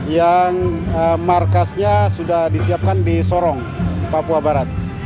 yang markasnya sudah disiapkan di sorong papua barat